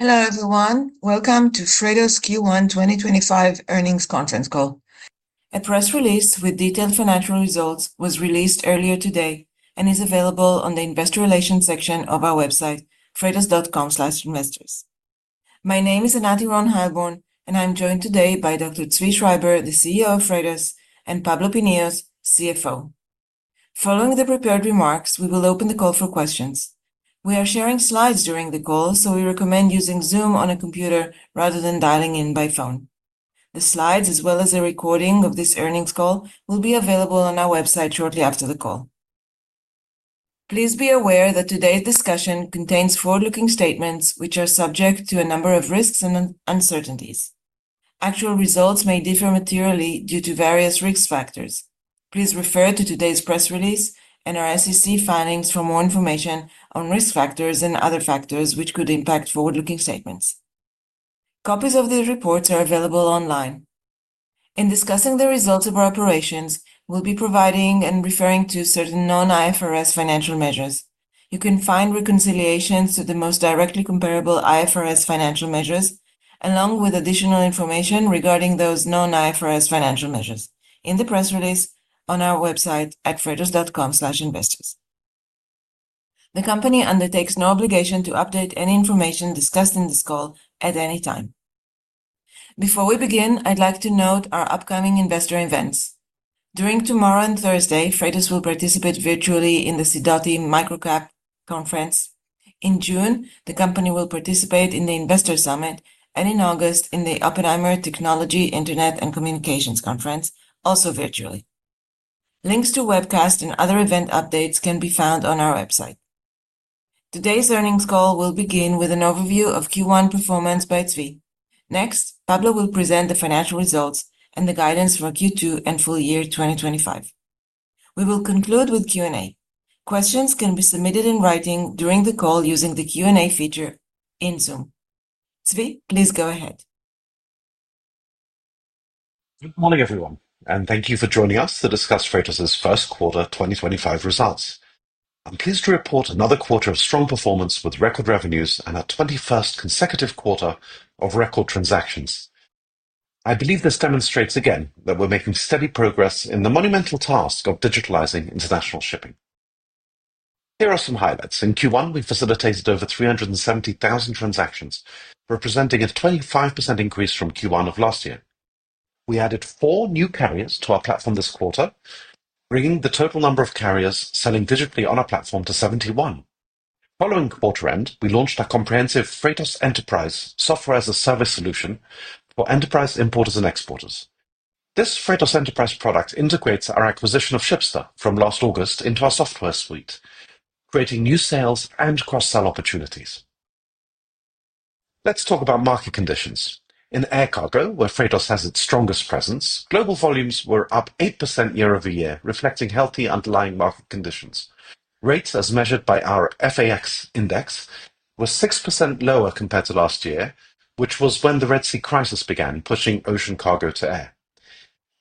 Hello everyone, welcome to Freightos Q1 2025 earnings conference call. A press release with detailed financial results was released earlier today and is available on the Investor Relations section of our website, freightos.com/investors. My name is Anat Earon-Heilborn, and I'm joined today by Dr. Zvi Schreiber, the CEO of Freightos, and Pablo Pinillos, CFO. Following the prepared remarks, we will open the call for questions. We are sharing slides during the call, so we recommend using Zoom on a computer rather than dialing in by phone. The slides, as well as a recording of this earnings call, will be available on our website shortly after the call. Please be aware that today's discussion contains forward-looking statements, which are subject to a number of risks and uncertainties. Actual results may differ materially due to various risk factors. Please refer to today's press release and our SEC filings for more information on risk factors and other factors which could impact forward-looking statements. Copies of these reports are available online. In discussing the results of our operations, we'll be providing and referring to certain non-IFRS financial measures. You can find reconciliations to the most directly comparable IFRS financial measures, along with additional information regarding those non-IFRS financial measures, in the press release on our website at freightos.com/investors. The company undertakes no obligation to update any information discussed in this call at any time. Before we begin, I'd like to note our upcoming investor events. During tomorrow and Thursday, Freightos will participate virtually in the Sidoti MicroCap Conference. In June, the company will participate in the Investor Summit, and in August, in the Oppenheimer Technology Internet and Communications Conference, also virtually. Links to webcasts and other event updates can be found on our website. Today's earnings call will begin with an overview of Q1 performance by Zvi. Next, Pablo will present the financial results and the guidance for Q2 and full year 2025. We will conclude with Q&A. Questions can be submitted in writing during the call using the Q&A feature in Zoom. Zvi, please go ahead. Good morning, everyone, and thank you for joining us to discuss Freightos' first quarter 2025 results. I'm pleased to report another quarter of strong performance with record revenues and our 21st consecutive quarter of record transactions. I believe this demonstrates again that we're making steady progress in the monumental task of digitalizing international shipping. Here are some highlights. In Q1, we facilitated over 370,000 transactions, representing a 25% increase from Q1 of last year. We added four new carriers to our platform this quarter, bringing the total number of carriers selling digitally on our platform to 71. Following quarter end, we launched our comprehensive Freightos Enterprise software as a service solution for enterprise importers and exporters. This Freightos Enterprise product integrates our acquisition of SHIPSTA from last August into our software suite, creating new sales and cross-sell opportunities. Let's talk about market conditions. In air cargo, where Freightos has its strongest presence, global volumes were up 8% year-over-year, reflecting healthy underlying market conditions. Rates, as measured by our FAX index, were 6% lower compared to last year, which was when the Red Sea crisis began, pushing ocean cargo to air.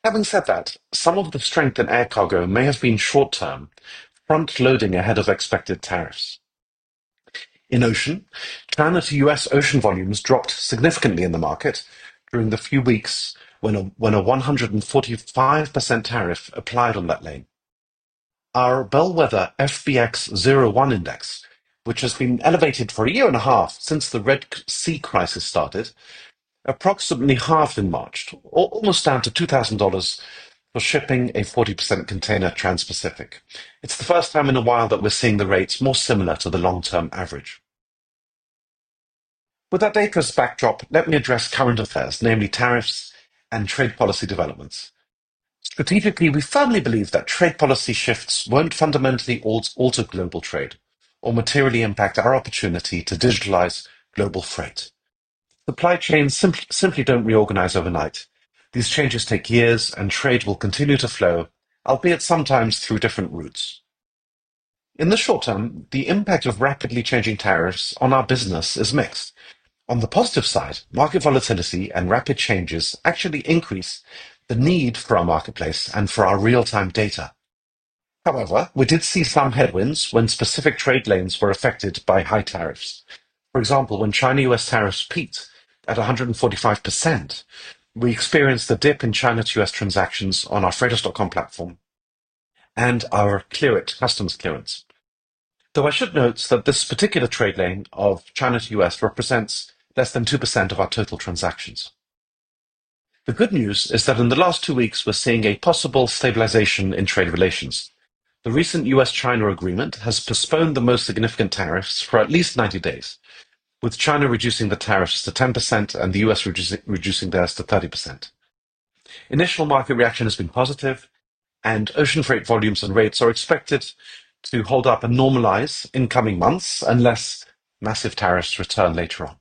Having said that, some of the strength in air cargo may have been short-term front-loading ahead of expected tariffs. In ocean, China to US ocean volumes dropped significantly in the market during the few weeks when a 145% tariff applied on that lane. Our Bellwether FBX01 index, which has been elevated for a year and a half since the Red Sea crisis started, approximately halved in March, almost down to $2,000 for shipping a 40 ft. container trans-Pacific. It's the first time in a while that we're seeing the rates more similar to the long-term average. With that data as backdrop, let me address current affairs, namely tariffs and trade policy developments. Strategically, we firmly believe that trade policy shifts won't fundamentally alter global trade or materially impact our opportunity to digitalize global freight. Supply chains simply don't reorganize overnight. These changes take years, and trade will continue to flow, albeit sometimes through different routes. In the short-term, the impact of rapidly changing tariffs on our business is mixed. On the positive side, market volatility and rapid changes actually increase the need for our marketplace and for our real-time data. However, we did see some headwinds when specific trade lanes were affected by high tariffs. For example, when China-US tariffs peaked at 145%, we experienced a dip in China to U.S. transactions on our Freightos.com platform and our customs clearance. Though I should note that this particular trade lane of China to US represents less than 2% of our total transactions. The good news is that in the last two weeks, we're seeing a possible stabilization in trade relations. The recent U.S.-China agreement has postponed the most significant tariffs for at least 90 days, with China reducing the tariffs to 10% and the US reducing theirs to 30%. Initial market reaction has been positive, and ocean freight volumes and rates are expected to hold up and normalize in coming months unless massive tariffs return later on.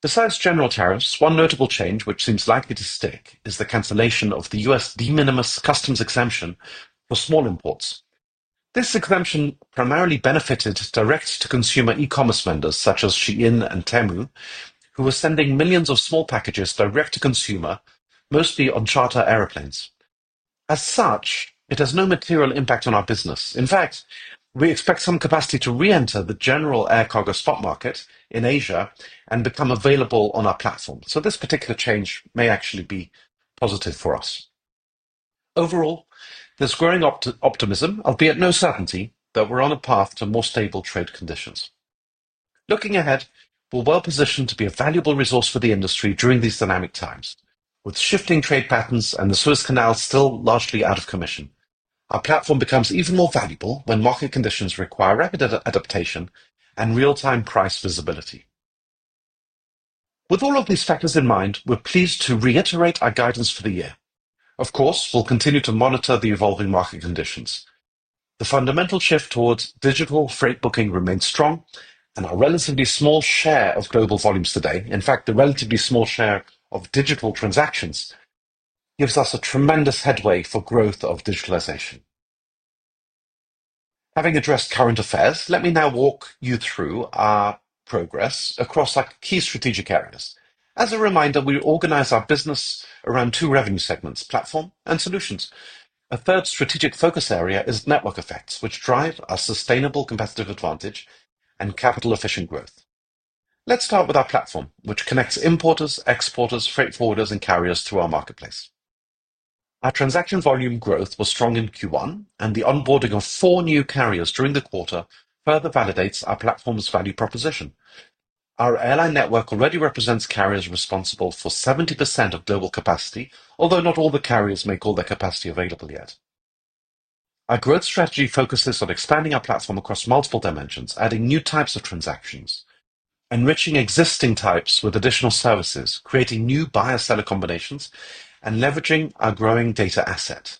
Besides general tariffs, one notable change, which seems likely to stick, is the cancellation of the U.S. de minimis customs exemption for small imports. This exemption primarily benefited direct-to-consumer e-commerce vendors such as Shein and Temu, who were sending millions of small packages direct-to-consumer, mostly on charter aeroplanes. As such, it has no material impact on our business. In fact, we expect some capacity to re-enter the general air cargo spot market in Asia and become available on our platform. So this particular change may actually be positive for us. Overall, there's growing optimism, albeit no certainty, that we're on a path to more stable trade conditions. Looking ahead, we're well positioned to be a valuable resource for the industry during these dynamic times. With shifting trade patterns and the Suez Canal still largely out of commission, our platform becomes even more valuable when market conditions require rapid adaptation and real-time price visibility. With all of these factors in mind, we're pleased to reiterate our guidance for the year. Of course, we'll continue to monitor the evolving market conditions. The fundamental shift towards digital freight booking remains strong, and our relatively small share of global volumes today, in fact, the relatively small share of digital transactions, gives us a tremendous headway for growth of digitalization. Having addressed current affairs, let me now walk you through our progress across our key strategic areas. As a reminder, we organize our business around two revenue segments: platform and solutions. A third strategic focus area is network effects, which drive our sustainable competitive advantage and capital-efficient growth. Let's start with our platform, which connects importers, exporters, freight forwarders, and carriers through our marketplace. Our transaction volume growth was strong in Q1, and the onboarding of four new carriers during the quarter further validates our platform's value proposition. Our airline network already represents carriers responsible for 70% of global capacity, although not all the carriers may call their capacity available yet. Our growth strategy focuses on expanding our platform across multiple dimensions, adding new types of transactions, enriching existing types with additional services, creating new buyer-seller combinations, and leveraging our growing data asset.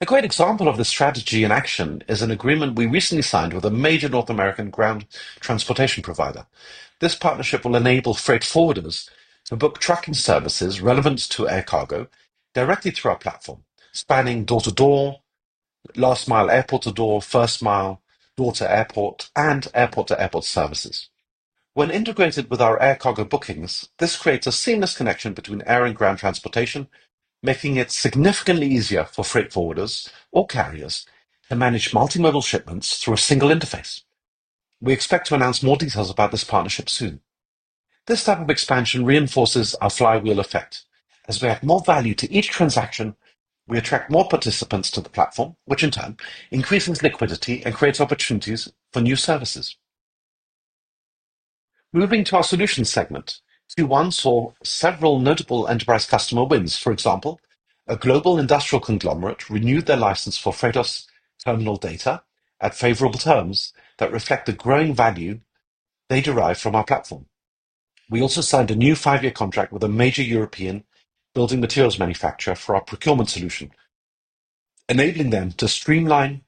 A great example of this strategy in action is an agreement we recently signed with a major North American ground transportation provider. This partnership will enable freight forwarders to book tracking services relevant to air cargo directly through our platform, spanning door-to-door, last-mile airport-to-door, first-mile door-to-airport, and airport-to-airport services. When integrated with our air cargo bookings, this creates a seamless connection between air and ground transportation, making it significantly easier for freight forwarders or carriers to manage multi-modal shipments through a single interface. We expect to announce more details about this partnership soon. This type of expansion reinforces our flywheel effect, as we add more value to each transaction. We attract more participants to the platform, which in turn increases liquidity and creates opportunities for new services. Moving to our solutions segment, Q1 saw several notable enterprise customer wins. For example, a global industrial conglomerate renewed their license for Freightos Terminal data at favorable terms that reflect the growing value they derive from our platform. We also signed a new five-year contract with a major European building materials manufacturer for our procurement solution, enabling them to streamline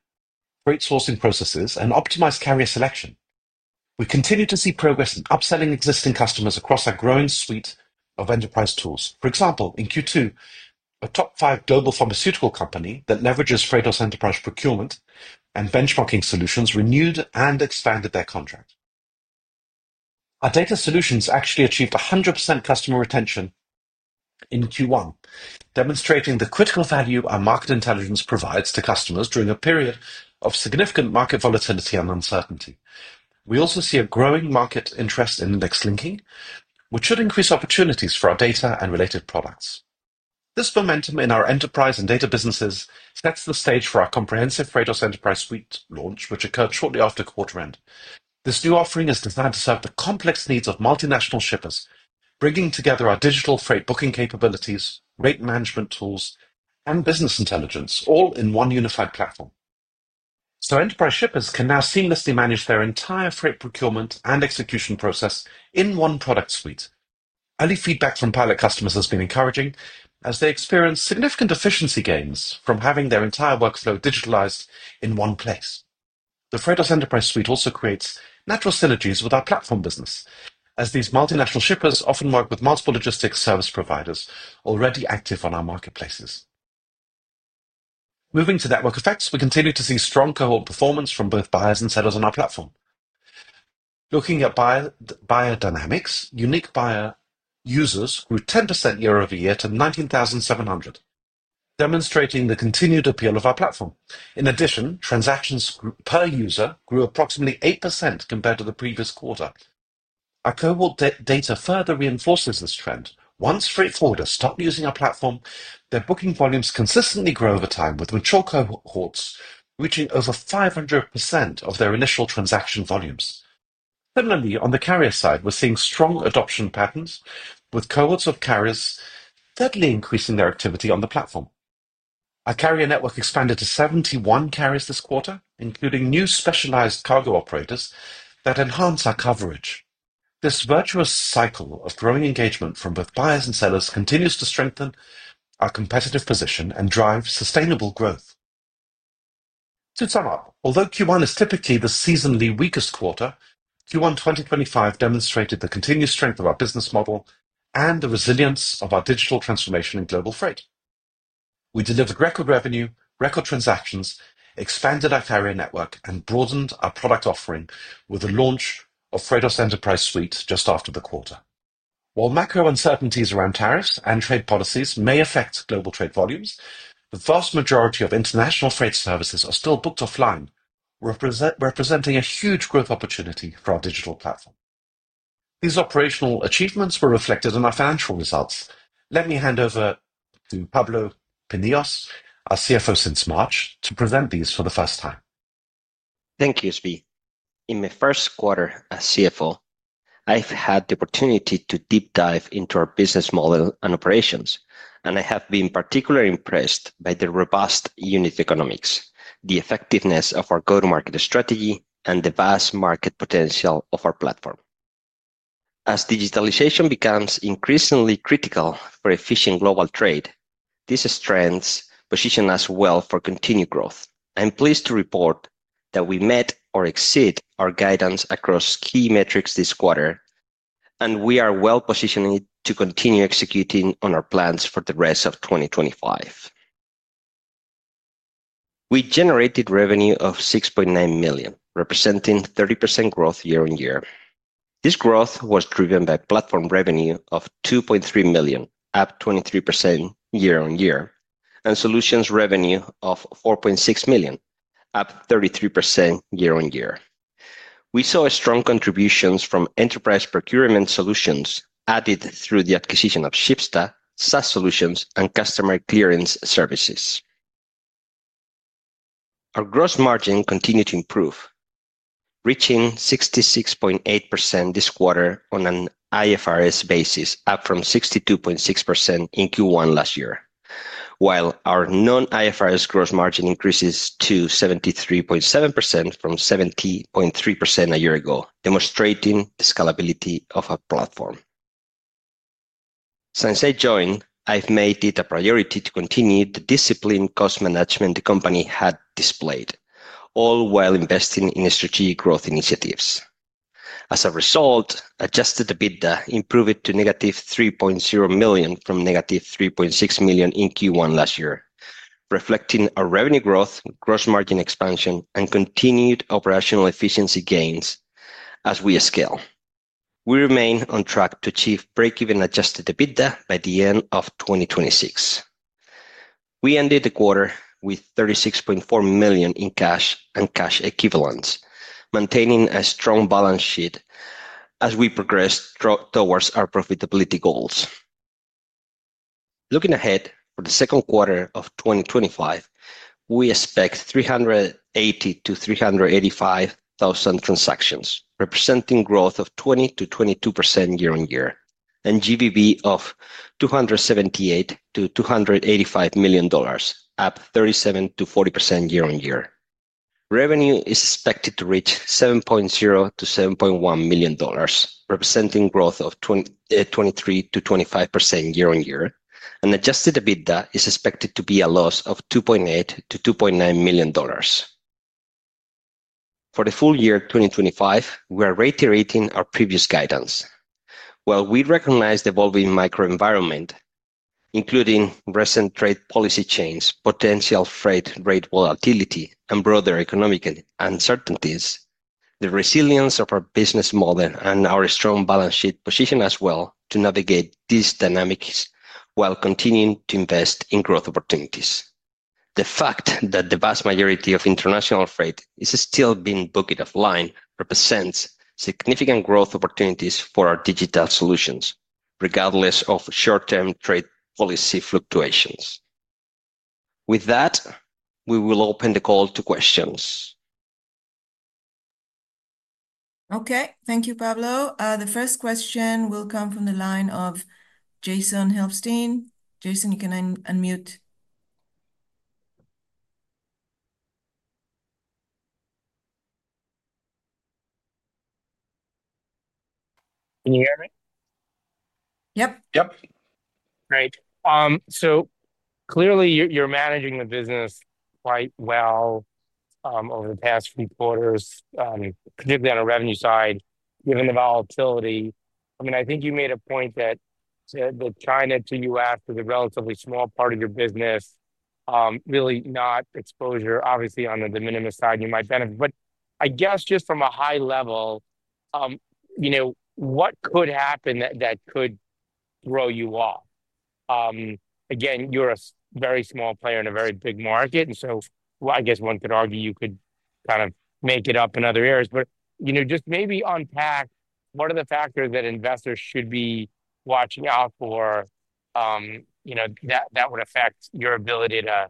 freight sourcing processes and optimize carrier selection. We continue to see progress in upselling existing customers across our growing suite of enterprise tools. For example, in Q2, a top five global pharmaceutical company that leverages Freightos Enterprise procurement and benchmarking solutions renewed and expanded their contract. Our data solutions actually achieved 100% customer retention in Q1, demonstrating the critical value our market intelligence provides to customers during a period of significant market volatility and uncertainty. We also see a growing market interest in index linking, which should increase opportunities for our data and related products. This momentum in our enterprise and data businesses sets the stage for our comprehensive Freightos Enterprise Suite launch, which occurred shortly after quarter end. This new offering is designed to serve the complex needs of multinational shippers, bringing together our digital freight booking capabilities, rate management tools, and business intelligence, all in one unified platform. Enterprise shippers can now seamlessly manage their entire freight procurement and execution process in one product suite. Early feedback from pilot customers has been encouraging, as they experience significant efficiency gains from having their entire workflow digitalized in one place. The Freightos Enterprise Suite also creates natural synergies with our platform business, as these multinational shippers often work with multiple logistics service providers already active on our marketplaces. Moving to network effects, we continue to see strong cohort performance from both buyers and sellers on our platform. Looking at buyer dynamics, unique buyer users grew 10% year-over-year to 19,700, demonstrating the continued appeal of our platform. In addition, transactions per user grew approximately 8% compared to the previous quarter. Our cohort data further reinforces this trend. Once freight forwarders stop using our platform, their booking volumes consistently grow over time, with mature cohorts reaching over 500% of their initial transaction volumes. Similarly, on the carrier side, we're seeing strong adoption patterns, with cohorts of carriers steadily increasing their activity on the platform. Our carrier network expanded to 71 carriers this quarter, including new specialized cargo operators that enhance our coverage. This virtuous cycle of growing engagement from both buyers and sellers continues to strengthen our competitive position and drive sustainable growth. To sum up, although Q1 is typically the seasonally weakest quarter, Q1 2025 demonstrated the continued strength of our business model and the resilience of our digital transformation in global freight. We delivered record revenue, record transactions, expanded our carrier network, and broadened our product offering with the launch of Freightos Enterprise Suite just after the quarter. While macro uncertainties around tariffs and trade policies may affect global trade volumes, the vast majority of international freight services are still booked offline, representing a huge growth opportunity for our digital platform. These operational achievements were reflected in our financial results. Let me hand over to Pablo Pinillos, our CFO since March, to present these for the first time. Thank you, Zvi. In my first quarter as CFO, I've had the opportunity to deep dive into our business model and operations, and I have been particularly impressed by the robust unit economics, the effectiveness of our go-to-market strategy, and the vast market potential of our platform. As digitalization becomes increasingly critical for efficient global trade, these strengths position us well for continued growth. I'm pleased to report that we met or exceed our guidance across key metrics this quarter, and we are well positioned to continue executing on our plans for the rest of 2025. We generated revenue of $6.9 million, representing 30% growth year-on-year. This growth was driven by platform revenue of $2.3 million, up 23% year-on-year, and solutions revenue of $4.6 million, up 33% year-on-year. We saw strong contributions from enterprise procurement solutions added through the acquisition of SHIPSTA, SaaS solutions, and customs clearance services. Our gross margin continued to improve, reaching 66.8% this quarter on an IFRS basis, up from 62.6% in Q1 last year, while our non-IFRS gross margin increases to 73.7% from 70.3% a year ago, demonstrating the scalability of our platform. Since I joined, I've made it a priority to continue the disciplined cost management the company had displayed, all while investing in strategic growth initiatives. As a result, adjusted EBITDA improved to negative $3.0 million from negative $3.6 million in Q1 last year, reflecting our revenue growth, gross margin expansion, and continued operational efficiency gains as we scale. We remain on track to achieve break-even adjusted EBITDA by the end of 2026. We ended the quarter with $36.4 million in cash and cash equivalents, maintaining a strong balance sheet as we progress towards our profitability goals. Looking ahead for the second quarter of 2025, we expect 380,000-385,000 transactions, representing growth of 20%-22% year-on-year, and GBV of $278,000,000-$285,000,000, up 37%-40% year-on-year. Revenue is expected to reach $7.0-$7.1 million, representing growth of 23%-25% year-on-year, and adjusted EBITDA is expected to be a loss of $2.8-$2.9 million. For the full year 2025, we are reiterating our previous guidance. While we recognize the evolving microenvironment, including recent trade policy changes, potential freight rate volatility, and broader economic uncertainties, the resilience of our business model and our strong balance sheet position us well to navigate these dynamics while continuing to invest in growth opportunities. The fact that the vast majority of international freight is still being booked offline represents significant growth opportunities for our digital solutions, regardless of short-term trade policy fluctuations. With that, we will open the call to questions. Okay, thank you, Pablo. The first question will come from the line of Jason Helfstein. Jason, you can unmute. Can you hear me? Yep. Yep. Great. So clearly, you're managing the business quite well over the past few quarters, particularly on a revenue side, given the volatility. I mean, I think you made a point that the China to U.S. is a relatively small part of your business, really not exposure, obviously, on the minimum side you might benefit. I guess just from a high level, what could happen that could throw you off? Again, you're a very small player in a very big market, and so I guess one could argue you could kind of make it up in other areas. Just maybe unpack what are the factors that investors should be watching out for that would affect your ability to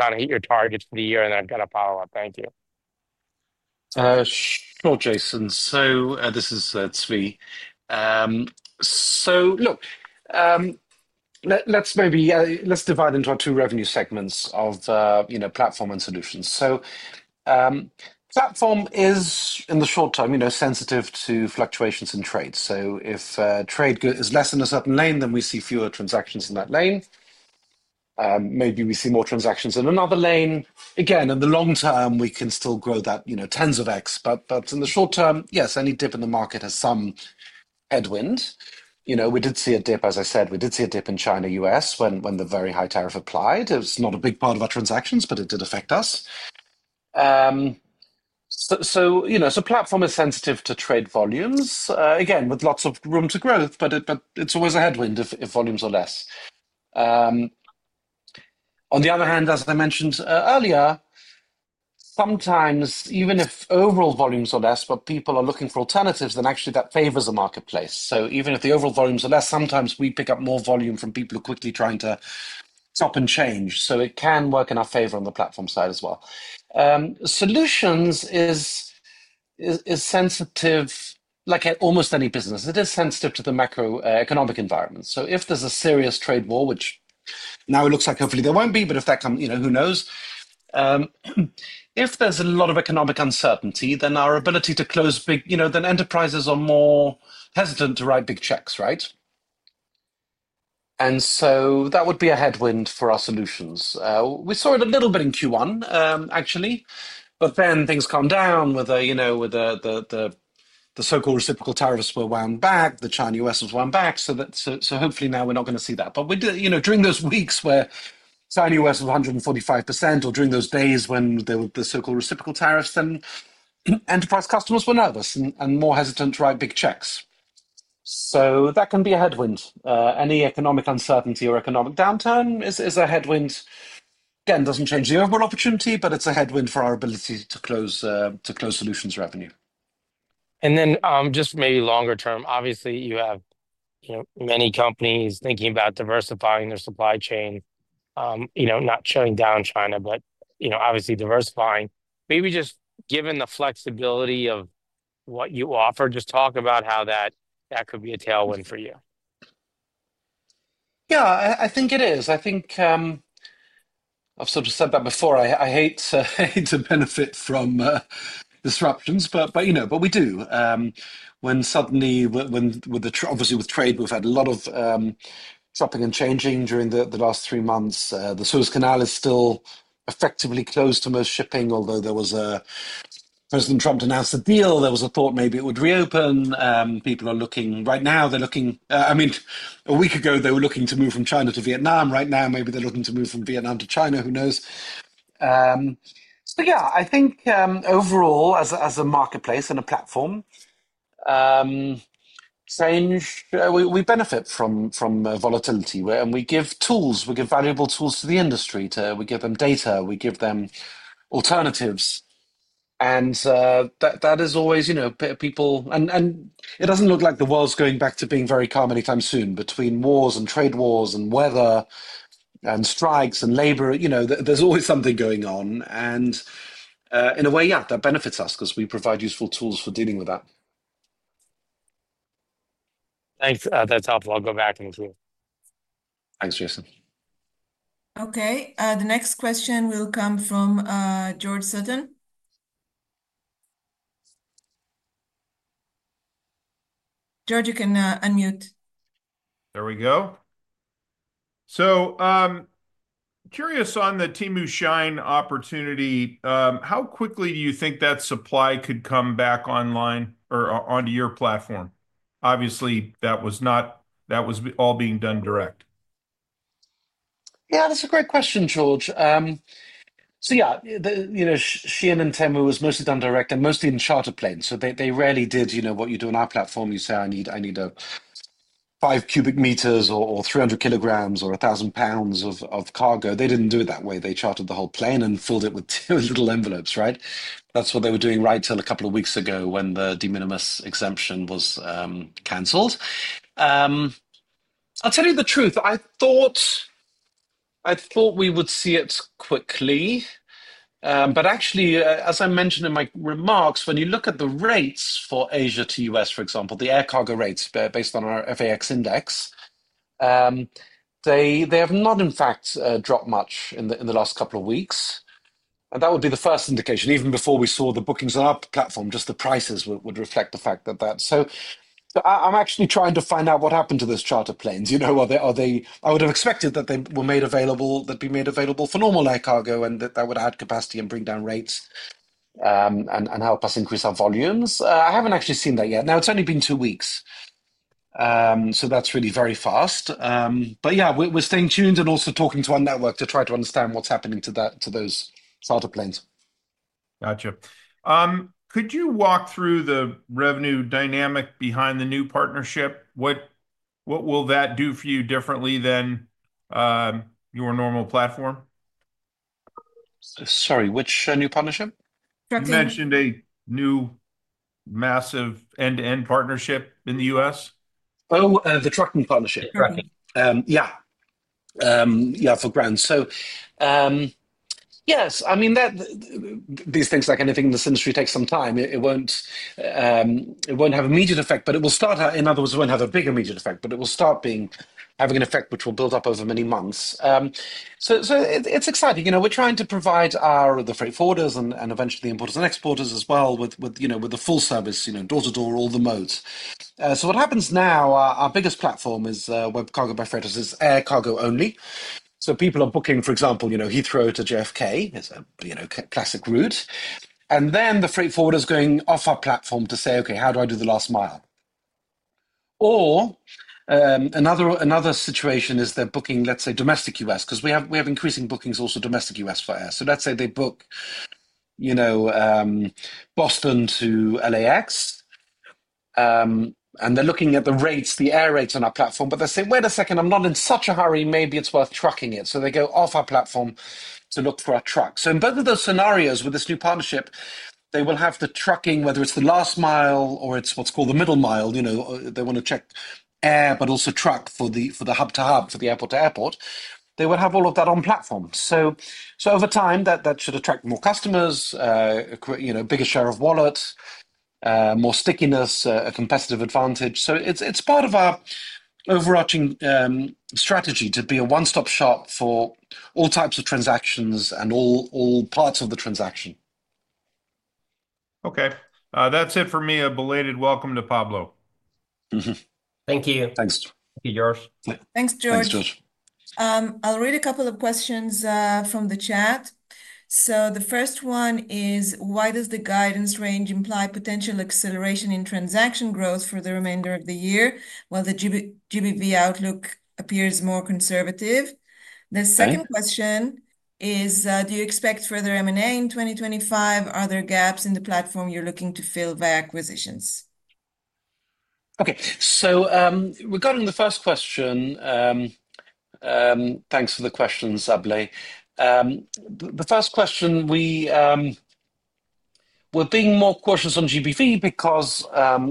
kind of hit your targets for the year, and then I've got a follow-up. Thank you. Sure, Jason. This is Zvi. Look, let's maybe divide into our two revenue segments of platform and solutions. Platform is, in the short-term, sensitive to fluctuations in trade. If trade is less in a certain lane, then we see fewer transactions in that lane. Maybe we see more transactions in another lane. Again, in the long-term, we can still grow that tens of X. In the short-term, yes, any dip in the market has some headwind. We did see a dip, as I said, we did see a dip in China U.S. when the very high tariff applied. It was not a big part of our transactions, but it did affect us. Platform is sensitive to trade volumes, again, with lots of room to growth, but it's always a headwind if volumes are less. On the other hand, as I mentioned earlier, sometimes, even if overall volumes are less, but people are looking for alternatives, then actually that favors a marketplace. Even if the overall volumes are less, sometimes we pick up more volume from people who are quickly trying to stop and change. It can work in our favor on the platform side as well. Solutions is sensitive, like almost any business. It is sensitive to the macroeconomic environment. If there is a serious trade war, which now it looks like hopefully there will not be, but if that comes, who knows? If there is a lot of economic uncertainty, then our ability to close big, then enterprises are more hesitant to write big checks, right? That would be a headwind for our solutions. We saw it a little bit in Q1, actually, but then things calmed down with the so-called reciprocal tariffs were wound back, the China U.S. was wound back. Hopefully now we are not going to see that. During those weeks where China U.S. was 145%, or during those days when there were the so-called reciprocal tariffs, enterprise customers were nervous and more hesitant to write big checks. That can be a headwind. Any economic uncertainty or economic downturn is a headwind. It does not change the overall opportunity, but it is a headwind for our ability to close solutions revenue. Maybe longer term, obviously you have many companies thinking about diversifying their supply chain, not shutting down China, but obviously diversifying. Maybe just given the flexibility of what you offer, just talk about how that could be a tailwind for you. Yeah, I think it is. I think I have sort of said that before. I hate to benefit from disruptions, but we do. When suddenly, obviously with trade, we have had a lot of shopping and changing during the last three months. The Suez Canal is still effectively closed to most shipping, although there was a President Trump announced a deal, there was a thought maybe it would reopen. People are looking right now, they're looking, I mean, a week ago they were looking to move from China to Vietnam. Right now, maybe they're looking to move from Vietnam to China, who knows? Yeah, I think overall as a marketplace and a platform, we benefit from volatility and we give tools, we give valuable tools to the industry, we give them data, we give them alternatives. That is always a bit of people, and it does not look like the world's going back to being very calm anytime soon between wars and trade wars and weather and strikes and labor. There's always something going on. In a way, yeah, that benefits us because we provide useful tools for dealing with that. Thanks. That's helpful. I'll go back into it. Thanks, Jason. The next question will come from George Sutton. George, you can unmute. There we go. Curious on the Temu Shein opportunity, how quickly do you think that supply could come back online or onto your platform? Obviously, that was all being done direct. Yeah, that's a great question, George. Yeah, Shein and Temu was mostly done direct and mostly in charter planes. They rarely did what you do on our platform. You say, "I need five cubic meters or 300 kilograms or 1,000 pounds of cargo." They did not do it that way. They chartered the whole plane and filled it with two little envelopes, right? That's what they were doing right until a couple of weeks ago when the de minimis exemption was canceled. I'll tell you the truth. I thought we would see it quickly. Actually, as I mentioned in my remarks, when you look at the rates for Asia to U.S., for example, the air cargo rates based on our FAX index, they have not, in fact, dropped much in the last couple of weeks. That would be the first indication, even before we saw the bookings on our platform, just the prices would reflect the fact that that. I'm actually trying to find out what happened to those charter planes. You know, I would have expected that they were made available, that they'd be made available for normal air cargo and that that would add capacity and bring down rates and help us increase our volumes. I haven't actually seen that yet. Now, it's only been two weeks. That's really very fast. Yeah, we're staying tuned and also talking to our network to try to understand what's happening to those charter planes. Gotcha. Could you walk through the revenue dynamic behind the new partnership? What will that do for you differently than your normal platform? Sorry, which new partnership? You mentioned a new massive end-to-end partnership in the US. Oh, the trucking partnership, trucking. Yeah. For grants. Yes, I mean, these things, like anything in this industry, take some time. It won't have immediate effect, but it will start out, in other words, it won't have a big immediate effect, but it will start having an effect which will build up over many months. It's exciting. We're trying to provide our freight forwarders and eventually the importers and exporters as well with the full service, door-to-door, all the modes. What happens now, our biggest platform is WebCargo by Freightos, which is air cargo only. People are booking, for example, Heathrow to JFK, it's a classic route. The freight forwarder is going off our platform to say, "Okay, how do I do the last mile?" Another situation is they're booking, let's say, domestic U.S., because we have increasing bookings also domestic U.S. for air. Let's say they book Boston to LAX, and they're looking at the rates, the air rates on our platform, but they say, "Wait a second, I'm not in such a hurry, maybe it's worth trucking it." They go off our platform to look for a truck. In both of those scenarios with this new partnership, they will have the trucking, whether it's the last mile or it's what's called the middle mile, they want to check air but also truck for the hub-to-hub, for the airport-to-airport, they will have all of that on platform. Over time, that should attract more customers, a bigger share of wallet, more stickiness, a competitive advantage. It's part of our overarching strategy to be a one-stop shop for all types of transactions and all parts of the transaction. Okay. That's it for me. A belated welcome to Pablo. Thank you. Thanks. Thank you, George. Thanks, George. I'll read a couple of questions from the chat. The first one is, why does the guidance range imply potential acceleration in transaction growth for the remainder of the year while the GBV outlook appears more conservative? The second question is, do you expect further M&A in 2025? Are there gaps in the platform you're looking to fill via acquisitions? Okay. Regarding the first question, thanks for the question, Ari. The first question, we're being more cautious on GBV because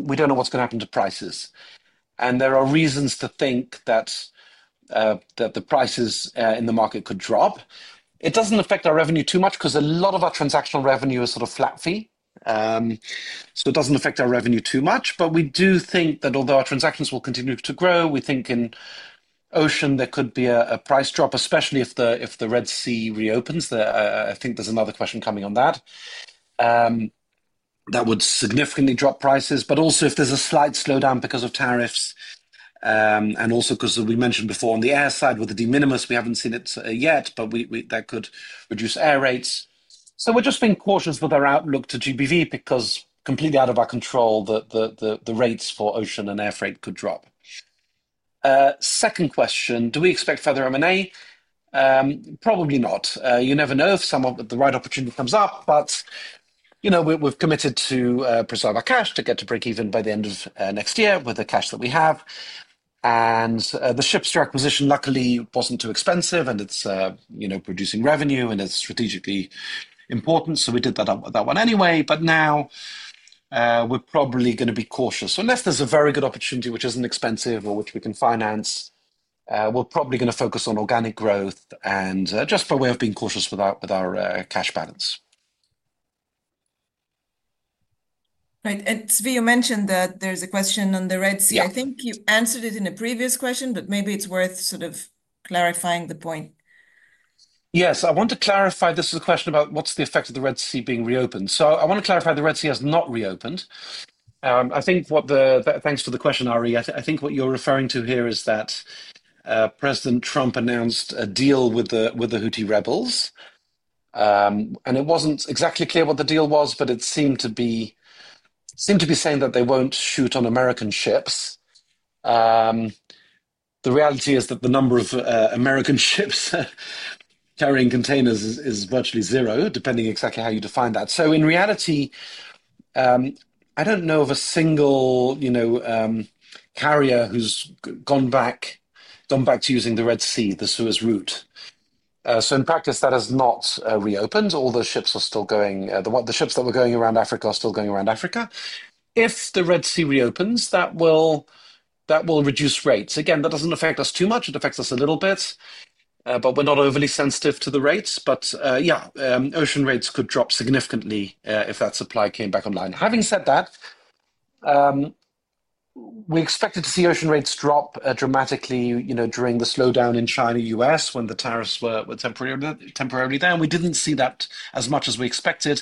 we don't know what's going to happen to prices. There are reasons to think that the prices in the market could drop. It doesn't affect our revenue too much because a lot of our transactional revenue is sort of flat fee. It doesn't affect our revenue too much. We do think that although our transactions will continue to grow, we think in ocean, there could be a price drop, especially if the Red Sea re-opens. I think there's another question coming on that. That would significantly drop prices, but also if there's a slight slowdown because of tariffs and also because, as we mentioned before, on the air side with the de minimis, we haven't seen it yet, but that could reduce air rates. We are just being cautious with our outlook to GBV because completely out of our control, the rates for ocean and air freight could drop. Second question, do we expect further M&A? Probably not. You never know if the right opportunity comes up, but we've committed to preserve our cash to get to break even by the end of next year with the cash that we have. The SHIPSTA acquisition, luckily, was not too expensive and it is producing revenue and it is strategically important. We did that one anyway. Now we are probably going to be cautious. Unless there is a very good opportunity which is not expensive or which we can finance, we are probably going to focus on organic growth and just by way of being cautious withour cash balance. Zvi, you mentioned that there is a question on the Red Sea. I think you answered it in a previous question, but maybe it is worth sort of clarifying the point. Yes, I want to clarify. This is a question about what is the effect of the Red Sea being re-opened. I want to clarify the Red Sea has not re-opened. I think what the—thanks for the question, Ari. I think what you are referring to here is that President Trump announced a deal with the Houthi rebels. It was not exactly clear what the deal was, but it seemed to be saying that they will not shoot on American ships. The reality is that the number of American ships carrying containers is virtually zero, depending exactly how you define that. In reality, I do not know of a single carrier who has gone back to using the Red Sea, the Suez route. In practice, that has not re-opened. All the ships are still going. The ships that were going around Africa are still going around Africa. If the Red Sea re-opens, that will reduce rates. That does not affect us too much. It affects us a little bit, but we are not overly sensitive to the rates. Ocean rates could drop significantly if that supply came back online. Having said that, we expected to see ocean rates drop dramatically during the slowdown in China U.S. when the tariffs were temporarily down. We did not see that as much as we expected.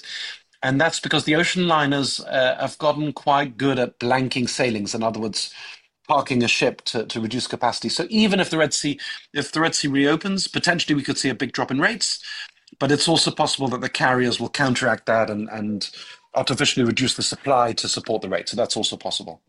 That is because the ocean liners have gotten quite good at blanking sailings, in other words, parking a ship to reduce capacity. Even if the Red Sea re-opens, potentially we could see a big drop in rates. It is also possible that the carriers will counteract that and artificially reduce the supply to support the rates. That is also possible.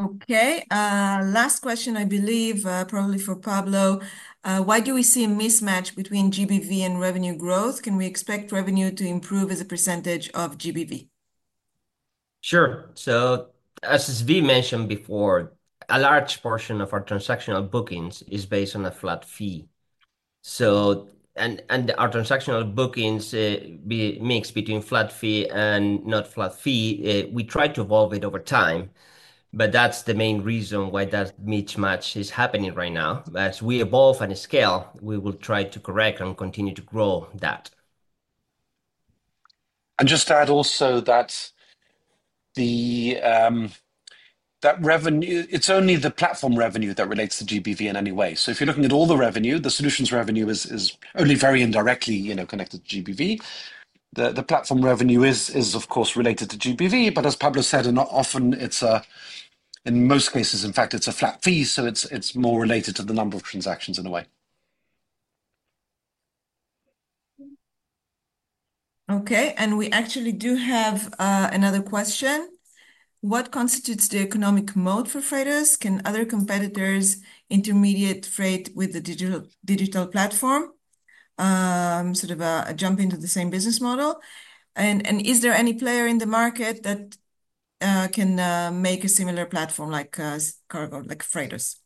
Okay. Last question, I believe, probably for Pablo. Why do we see a mismatch between GBV and revenue growth? Can we expect revenue to improve as a percentage of GBV? Sure. As Zvi mentioned before, a large portion of our transactional bookings is based on a flat fee. Our transactional bookings mix between flat fee and not flat fee, we try to evolve it over time. That is the main reason why that mismatch is happening right now. As we evolve and scale, we will try to correct and continue to grow that. I will just add also that revenue, it is only the platform revenue that relates to GBV in any way. If you are looking at all the revenue, the solutions revenue is only very indirectly connected to GBV. The platform revenue is, of course, related to GBV, but as Pablo said, often it is, in most cases, in fact, a flat fee. It is more related to the number of transactions in a way. Okay. We actually do have another question. What constitutes the economic moat for Freightos? Can other competitors intermediate freight with the digital platform, sort of a jump into the same business model? Is there any player in the market that can make a similar platform like Freightos?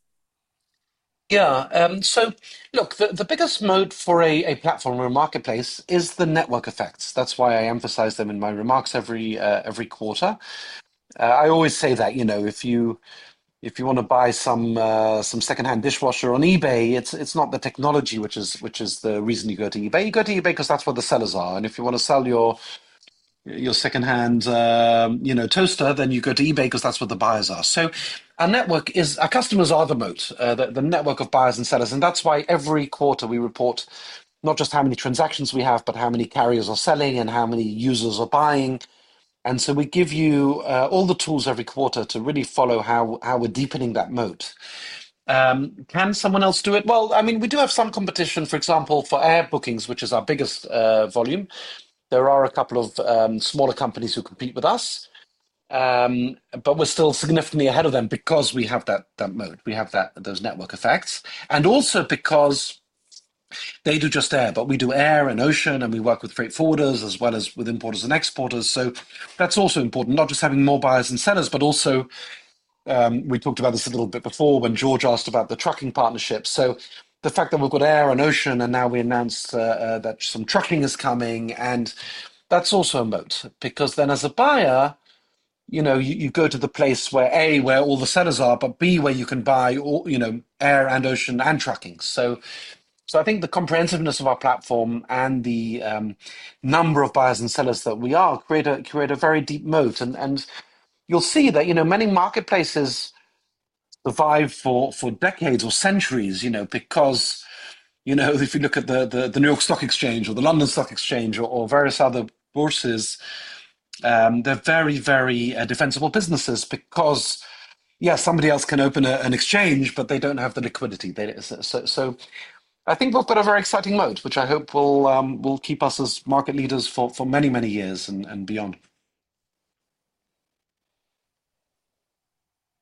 Yeah. Look, the biggest moat for a platform or a marketplace is the network effects. That is why I emphasize them in my remarks every quarter. I always say that if you want to buy some secondhand dishwasher on eBay, it is not the technology which is the reason you go to eBay. You go to eBay because that is where the sellers are. If you want to sell your secondhand toaster, then you go to eBay because that is where the buyers are. Our network is, our customers are the moat, the network of buyers and sellers. That is why every quarter we report not just how many transactions we have, but how many carriers are selling and how many users are buying. We give you all the tools every quarter to really follow how we are deepening that moat. Can someone else do it? I mean, we do have some competition, for example, for air bookings, which is our biggest volume. There are a couple of smaller companies who compete with us, but we are still significantly ahead of them because we have that moat. We have those network effects. Also, because they do just air, but we do air and ocean, and we work with freight forwarders as well as with importers and exporters. That is also important, not just having more buyers and sellers, but also we talked about this a little bit before when George asked about the trucking partnership. The fact that we've got air and ocean and now we announced that some trucking is coming, that's also a moat because then as a buyer, you go to the place where, A, where all the sellers are, but B, where you can buy air and ocean and trucking. I think the comprehensiveness of our platform and the number of buyers and sellers that we are create a very deep moat. You'll see that many marketplaces survive for decades or centuries because if you look at the New York Stock Exchange or the London Stock Exchange or various other bourses, they're very, very defensible businesses because, yeah, somebody else can open an exchange, but they don't have the liquidity. I think we've got a very exciting moat, which I hope will keep us as market leaders for many, many years and beyond.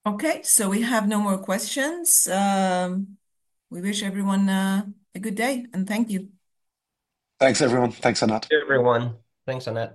Okay. We have no more questions. We wish everyone a good day and thank you. Thanks, everyone. Thanks a lot. Thank you, everyone. Thanks for now.